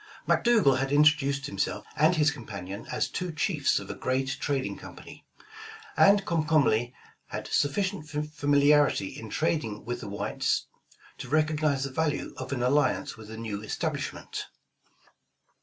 McDougal had introduced himself and his companion as two chiefs of a great trading company, and Comcom ly had sufficient familiarity in trading with the whites, to recognize the value of an alliance with the new establishment.